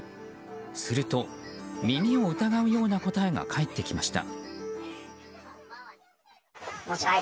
すると、耳を疑うような答えが帰ってきました。